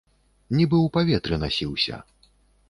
Нібы ў паветры насіўся.